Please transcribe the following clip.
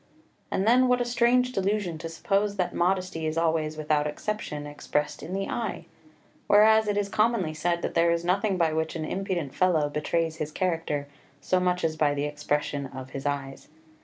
And then what a strange delusion to suppose that modesty is always without exception expressed in the eye! whereas it is commonly said that there is nothing by which an impudent fellow betrays his character so much as by the expression of his eyes.